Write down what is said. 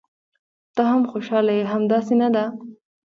ته هم خوشاله یې، همداسې نه ده؟